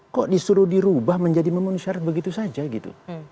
kok disuruh dirubah menjadi memenuhi syarat begitu saja gitu